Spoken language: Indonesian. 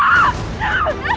aku tidak tahu